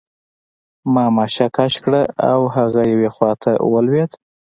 ما ماشه کش کړه او هغه یوې خواته ولوېد